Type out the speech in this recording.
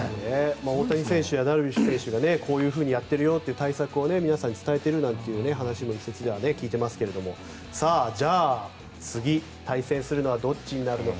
大谷選手やダルビッシュ選手がこういうふうにやってるよという対策を皆さんに伝えてるなんて一説では聞いていますけどじゃあ、次対戦するのはどっちになるのか。